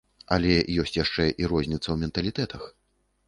Але ёсць яшчэ і розніца ў менталітэтах.